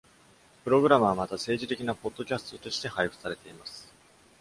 プログラムはまた、政治的なポッドキャストとして配布されています。